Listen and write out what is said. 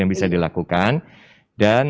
yang bisa dilakukan dan